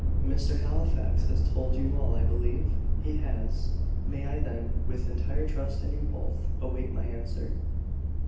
"Mr. Halifax has told you all, I believe?" "He has." "May I then, with entire trust in you both, await my answer?"